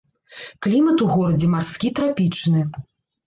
Клімат у горадзе марскі трапічны.